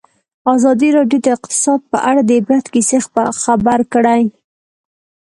ازادي راډیو د اقتصاد په اړه د عبرت کیسې خبر کړي.